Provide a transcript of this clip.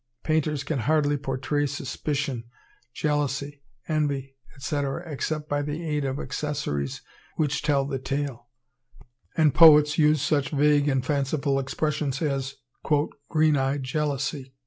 Painters can hardly portray suspicion, jealousy, envy, &c., except by the aid of accessories which tell the tale; and poets use such vague and fanciful expressions as "green eyed jealousy."